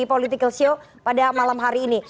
political show pada malam hari ini